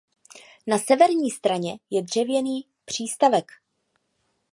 Na severní straně je dřevěný přístavek.